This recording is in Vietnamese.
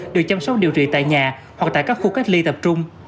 được chăm sóc điều trị tại nhà hoặc tại các khu cách ly tập trung